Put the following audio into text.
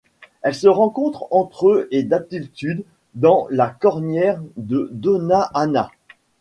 Elle se rencontre entre et d'altitude dans la cordillère de Doña Ana.